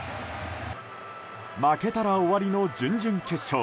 負けたら終わりの準々決勝。